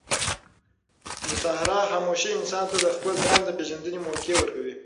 د صحرا خاموشي انسان ته د خپل ځان د پېژندنې موقع ورکوي.